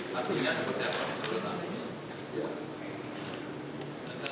tadinya seperti apa